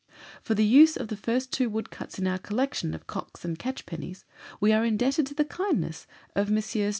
For the use of the first two wood cuts in our collection of "Cocks" and "Catchpennies" we are indebted to the kindness of Messrs.